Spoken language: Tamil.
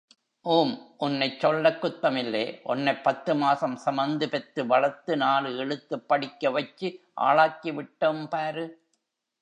ஊம்...... உன்னைச் சொல்லக் குத்தமில்லே, ஒன்னெப் பத்து மாசம் செமந்து பெத்து வளத்து நாலு எழுத்துப் படிக்கவைச்சு, ஆளாக்கிவிட்டேம்பாரு!